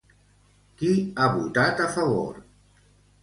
Qui ha votat a favor?